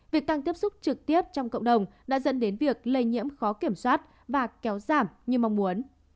việc tăng tiếp xúc trực tiếp trong cộng đồng đã dẫn đến việc lây nhiễm khó kiểm soát và kéo giảm như mong muốn